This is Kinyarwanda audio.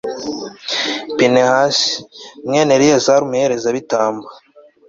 pinehasi, mwene eleyazari umuherezabitambo